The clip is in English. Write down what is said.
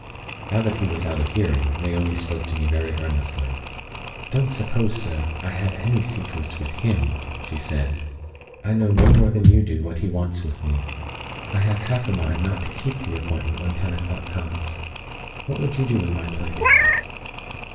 Now that he was out of hearing, Naomi spoke to me very earnestly: "Don't suppose, sir, I have any secrets with him," she said. "I know no more than you do what he wants with me. I have half a mind not to keep the appointment when ten o'clock comes. What would you do in my place?"